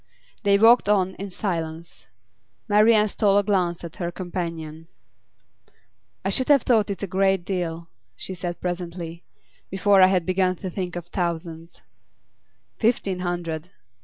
They walked on in silence. Marian stole a glance at her companion. 'I should have thought it a great deal,' she said presently, 'before I had begun to think of thousands.' 'Fifteen hundred.